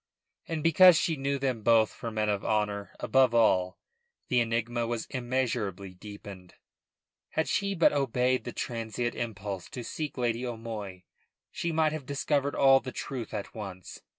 And because she knew them both for men of honour above all, the enigma was immeasurably deepened. Had she but obeyed the transient impulse to seek Lady O'Moy she might have discovered all the truth at once.